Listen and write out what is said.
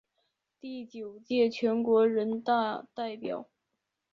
第九届全国人大代表。